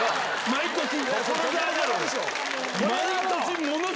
毎年。